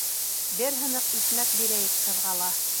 — Бер һыныҡ икмәк бирәйек ҡыҙға ла.